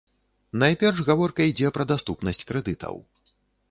Найперш гаворка ідзе пра даступнасць крэдытаў.